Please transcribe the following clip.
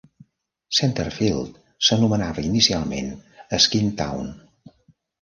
Centerfield s'anomenava inicialment Skin Town.